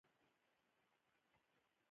زړه د ژوند پټ ځواک دی.